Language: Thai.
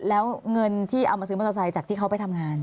แล้วเงินที่เอามาซื้อมอเตอร์ไซค์จากที่เขาไปทำงาน